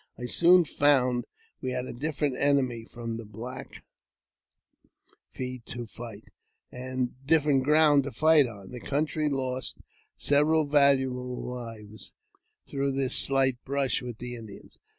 I soon found we had a different enemy from the Black Feet to fight, and different ground to fight on. The country lost several valuable lives through this slight brush with the Indians.